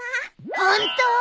ホント！？